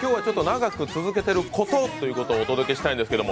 長く続けてることをお届けします。